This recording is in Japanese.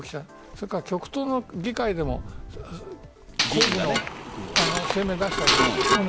それから極東の議会でも抗議の声明を出したでしょう。